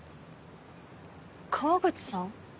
河口さん？